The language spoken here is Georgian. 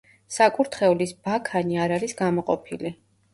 საკურთხევლის ბაქანი არ არის გამოყოფილი.